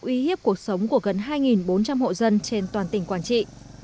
uy hiếp cuộc sống của gần hai bốn trăm linh hộ dân trên toàn tỉnh quảng trị